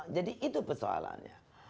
jadi itu persoalannya